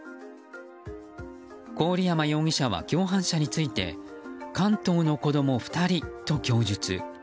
郡山容疑者は共犯者について関東の子供２人と供述。